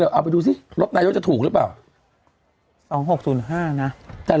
ก็เลยเอาไปดูสิรถนายกจะถูกรึเปล่าสองหกศูนย์ห้าน่ะแต่